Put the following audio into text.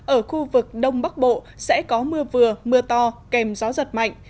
ở khu vực đông bắc bộ sẽ có mưa vừa mưa to kèm gió giật mạnh